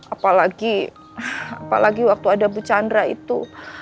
apalagi waktu ada bu chandra itu